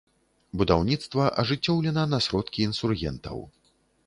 Будаўніцтва ажыццёўлена на сродкі інсургентаў.